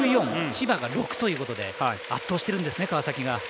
千葉が６ということで圧倒してるんですね、川崎が。